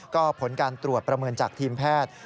ก็ผลการตรวจประเมินจากทีมแพทย์